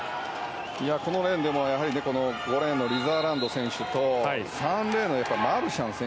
このレーン５レーンのリザーランド選手と３レーンのマルシャン選手。